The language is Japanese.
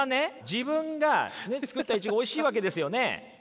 自分が作ったイチゴおいしいわけですよね。